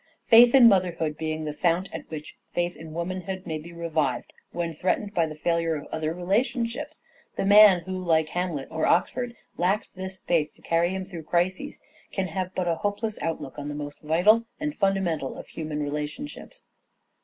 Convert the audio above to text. Faith in motherhood being the fount at which faith in womanhood may be revived when threatened by the failure of other relationships, the man who like Hamlet or Oxford lacks this faith to carry him through crises, can have but a hopeless outlook on the most vital and fundamental of human relationships.